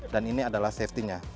dan ini adalah safety nya